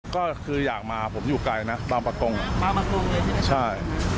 ก็คืออยากมาผมอยู่ไกลนะบางประกงบางประกงเลยทีนี้ใช่